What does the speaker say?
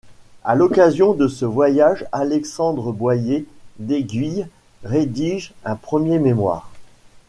À l'occasion de ce voyage Alexandre Boyer d'Éguilles rédige un premier mémoire.